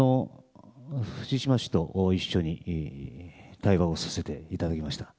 藤島氏と一緒に対話をさせていただきました。